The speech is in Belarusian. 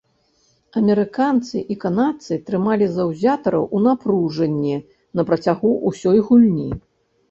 Амерыканцы і канадцы трымалі заўзятараў у напружанні на працягу ўсёй гульні.